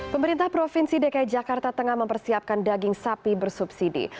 pemerintah provinsi dki jakarta tengah mempersiapkan daging sapi bersubsidi